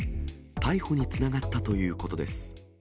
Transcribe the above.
逮捕につながったということです。